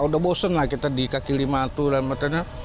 udah bosen lah kita di kaki lima itu dan macamnya